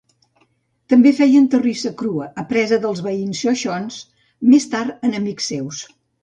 També feien terrissa crua, apresa dels veïns xoixons, més tard enemics seus.